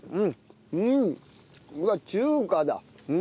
うんうわっ中華だ。